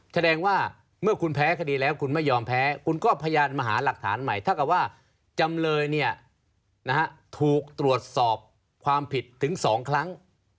แสดงว่าเมื่อคุณแพ้คดีแล้วคุณไม่ยอมแพ้คุณก็พยานมาหาหลักฐานใหม่เท่ากับว่าจำเลยถูกตรวจสอบความผิดถึง๒ครั้ง